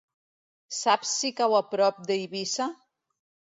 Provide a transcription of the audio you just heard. Saps si cau a prop d'Eivissa?